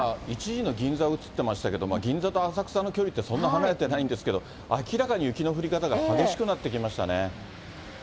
今、１時の銀座映ってましたけれども、銀座と浅草の距離ってそんな離れてないんですけど、明らかに雪の降り方が激しくなってきましたね。